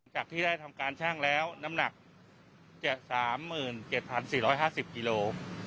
จากที่ได้ทำการชั่งแล้วน้ำหนักจะ๓๗๔๕๐กิโล